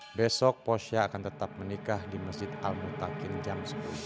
besok posya akan tetap menikah di masjid al mutakin jam sepuluh